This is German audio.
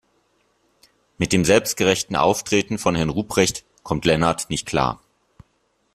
Mit dem selbstgerechten Auftreten von Herrn Ruprecht kommt Lennart nicht klar.